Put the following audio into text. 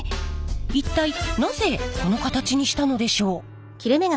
一体なぜこの形にしたのでしょう。